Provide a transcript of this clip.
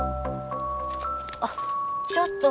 あっちょっと。